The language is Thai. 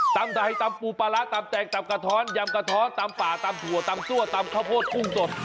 ตำไทยตำปูปลาร้าตำแตกตำกระท้อนยำกระท้อนตำป่าตำถั่วตำซั่วตำข้าวโพดกุ้งสด